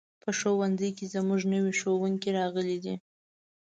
په ښوونځي کې زموږ نوی ښوونکی راغلی دی.